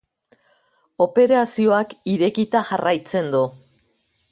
Operazioak irekita jarraitzen du.